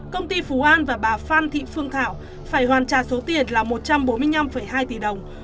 công ty phú an và bà phan thị phương thảo phải hoàn trả số tiền là một trăm bốn mươi năm hai tỷ đồng